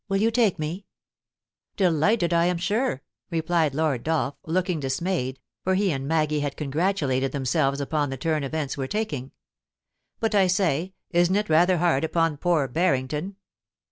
* Will you take me ?Delighted, I am sure,' replied Lord Dolph, looking dis mayed, for he and Maggie had congratulated themsdves upon the turn events were taking. * But, I say, isn't it rather hard upon poor Barrington